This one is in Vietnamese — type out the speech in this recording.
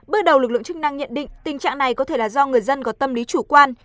bước đầu lực lượng chức năng nhận định tình trạng này có thể là do người dân có tâm lý chủ quan